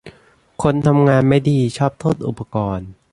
คนทำงานไม่ดีชอบโทษอุปกรณ์